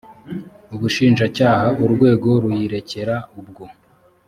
ubushinjacyaha urwego ruyirekera ubwo